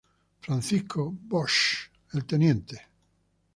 Francisco Bosch, el Tte.